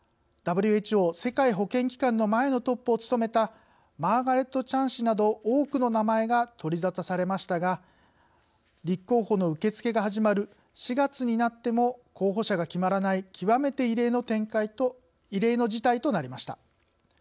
ＷＨＯ世界保健機関の前のトップを務めたマーガレット・チャン氏など多くの名前が取り沙汰されましたが立候補の受け付けが始まる４月になっても候補者が決まらない極めて異例の事態となりました。